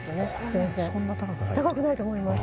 全然これそんな高くない高くないと思います